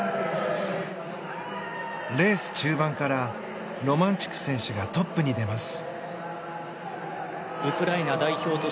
レース中盤からロマンチュク選手がトップに出ます。